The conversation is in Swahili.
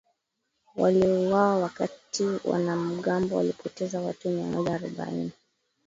waliouawa wakati wanamgambo walipoteza watu miamoja arobaini